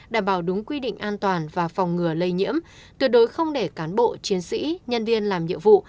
đảm bảo đúng quy định an toàn và phòng ngừa lây nhiễm tuyệt đối không để cán bộ chiến sĩ nhân viên làm nhiệm vụ